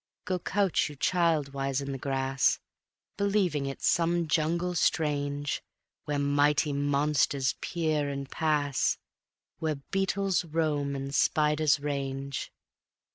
Go couch you childwise in the grass, Believing it's some jungle strange, Where mighty monsters peer and pass, Where beetles roam and spiders range.